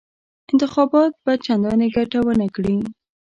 انتخابات به چنداني ګټه ونه کړي.